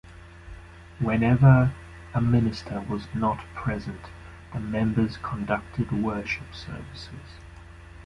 Whenever a minister was not present, the members conducted worship services.